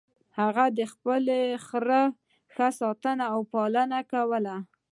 هغه د خپل خر ښه ساتنه او پالنه کوله.